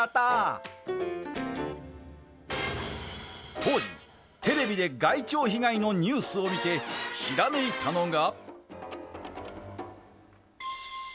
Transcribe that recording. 当時、テレビで害鳥被害のニュースを見てひらめいたのが。